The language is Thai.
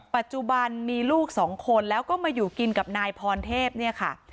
ปัจจุบันมีลูกสองคนแล้วก็มาอยู่กินกับนายพรเทพเนี่ยค่ะ